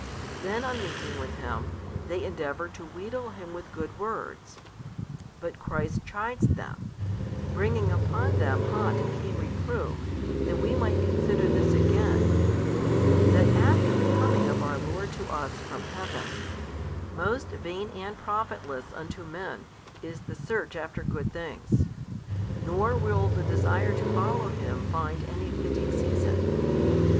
Then on meeting with Him, they endeavour to wheedle Him with good words: but Christ chides them, bringing upon them hot and keen reproof, that we might consider this again, that after the Coming of our Lord to us from Heaven, most vain and profitless unto men is the search after good things, nor |345 will the desire to follow Him find any fitting season.